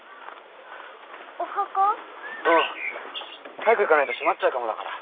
早く行かないと閉まっちゃうかもだから。